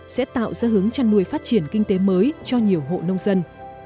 sẽ tạo ra hướng chăn nuôi phát triển kinh tế mới cho nhiều hộ nông dân